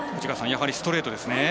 やはりストレートですね。